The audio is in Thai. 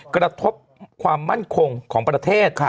กระทบความมั่นคงของประเทศ